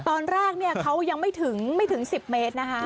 ตอนแรกเขายังไม่ถึง๑๐เมตรนะคะ